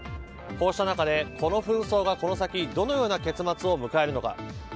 こうした中でこの紛争が、この先どのような結末を迎えるのか。